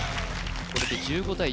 これで１５対１９